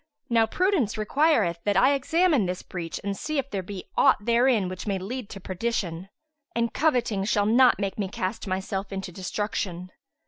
Now prudence requireth that I examine this breach and see if there be aught therein which may lead to perdition; and coveting shall not make me cast myself into destruction."